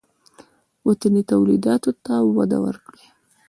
وطني تولیداتو ته وده ورکړئ